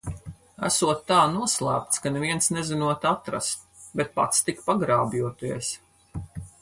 Esot tā noslēpts, ka neviens nezinot atrast, bet pats tik pagrābjoties.